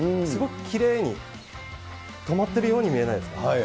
すごくきれいに止まっているように見えないですか？